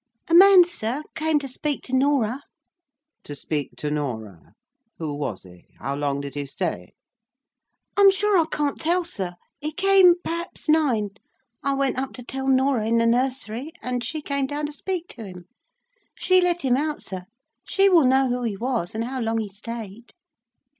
"A man, sir, came to speak to Norah." "To speak to Norah! Who was he? How long did he stay?" "I'm sure I can't tell, sir. He came—perhaps about nine. I went up to tell Norah in the nursery, and she came down to speak to him. She let him out, sir. She will know who he was, and how long he stayed."